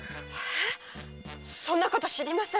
ええっ⁉そんなこと知りません。